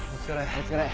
お疲れ。